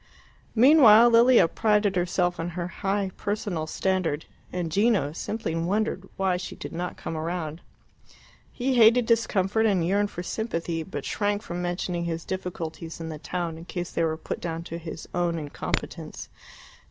Meanwhile Lilia prided herself on her high personal standard, and Gino simply wondered why she did not come round. He hated discomfort and yearned for sympathy, but shrank from mentioning his difficulties in the town in case they were put down to his own incompetence.